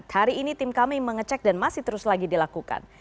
hari ini tim kami mengecek dan masih terus lagi dilakukan